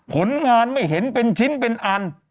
ผลงานไม่เห็นเป็นชิ้นเป็นอัน